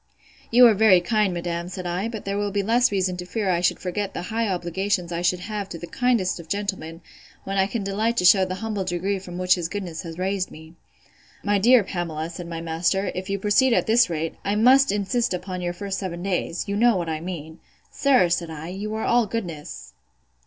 You are very kind, madam, said I: but there will be the less reason to fear I should forget the high obligations I should have to the kindest of gentlemen, when I can delight to shew the humble degree from which his goodness had raised me.—My dear Pamela, said my master, if you proceed at this rate, I must insist upon your first seven days. You know what I mean. Sir, said I, you are all goodness!